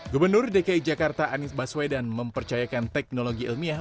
gubernur dki jakarta anies baswedan mempercayakan teknologi ilmiah